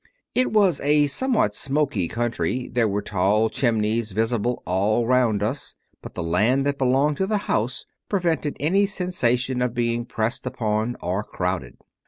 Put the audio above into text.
It was a somewhat smoky country; there were tall chimneys visible all round us, but the land that belonged to the house prevented any sensation of being pressed upon or crowded.